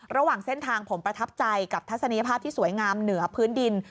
ระหว่างเส้นทางผมประทับใจกับทัศนีภาพที่สวยงามเหนือพื้นดิน